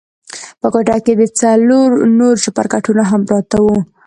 په کوټه کښې څلور نور چپرکټونه هم پراته وو.